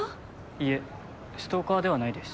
いえストーカーではないです。